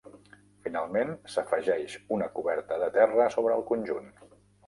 Finalment, s'afegeix una coberta de terra sobre el conjunt.